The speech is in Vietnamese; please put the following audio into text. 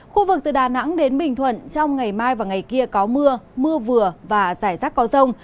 khu vực từ đà nẵng đến bình thuận trong ngày mai và ngày kia có mưa mưa vừa và rải rác có rông